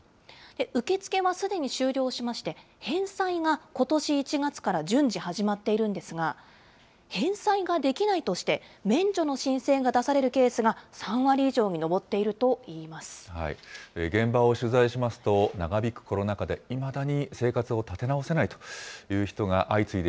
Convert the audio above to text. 受け付けはすでに終了しまして、返済がことし１月から順次始まっているんですが、返済ができないとして免除の申請が出されるケースが３割以上に上現場を取材しますと、長引くコロナ禍でいまだに生活を立て直せないという人が相次いで